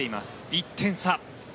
１点差。